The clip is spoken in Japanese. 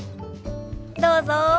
どうぞ。